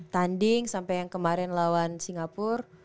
tanding sampai yang kemarin lawan singapura